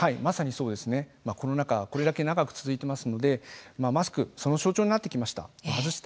コロナ禍、これだけ長く続いてますので、マスクその象徴になってきました。